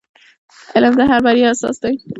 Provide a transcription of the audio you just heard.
• علم د هر بریا اساس دی.